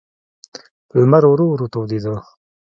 لمر ورو ورو تودېده.